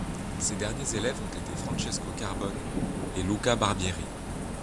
Ses derniers élèves ont été Francesco Carbone et Luca Barbieri.